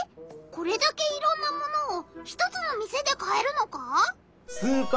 これだけいろんな物を１つの店で買えるのか？